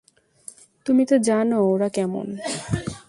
তুমি তো জানো ওরা কেমন।